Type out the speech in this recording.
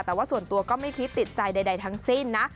แต่ว่าส่วนตัวก็ไม่คิดติดใจใดทั้งสิ้นนะ